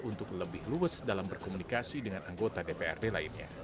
untuk lebih luwes dalam berkomunikasi dengan anggota dprd lainnya